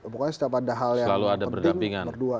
pokoknya setiap ada hal yang penting berdua